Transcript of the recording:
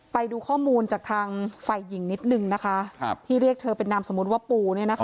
ไปดูข้อมูลจากทางไฟหญิงนิดหนึ่งนะคะครับที่เรียกเธอเป็นนำสมมุติว่าปูเนี้ยนะคะ